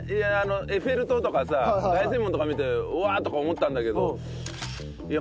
エッフェル塔とかさ凱旋門とか見てうわとか思ったんだけどいや